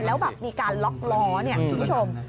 แล้วมีการล็อคล้อคุณผู้ชม